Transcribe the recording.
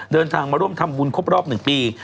เดินทางมาร่วมทำบุญครบรอบ๑ปี